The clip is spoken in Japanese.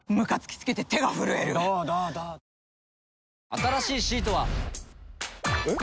新しいシートは。えっ？